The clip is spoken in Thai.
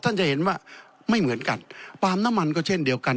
จะเห็นว่าไม่เหมือนกันปาล์มน้ำมันก็เช่นเดียวกัน